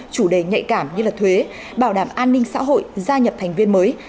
chủ đề nhạy cảm như là thuế bảo đảm an ninh xã hội gia nhập thành viên mới